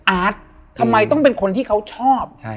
อาร์ตทำไมต้องเป็นคนที่เขาชอบ